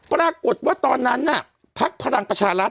ปรากฏว่าตอนนั้นอ่ะพรรคภลังประชารัฐ